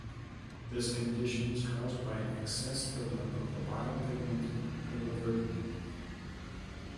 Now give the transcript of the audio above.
This condition is caused by an excess buildup of the bile pigment biliverdin.